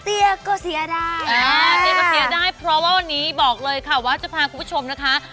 ก็เสียได้เตี้ยก็เสียได้เพราะว่าวันนี้บอกเลยค่ะว่าจะพาคุณผู้ชมนะคะ